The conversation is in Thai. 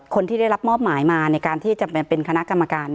คนที่ได้รับมอบหมายมาในการที่จะมาเป็นคณะกรรมการ